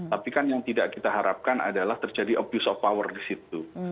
tapi kan yang tidak kita harapkan adalah terjadi abuse of power di situ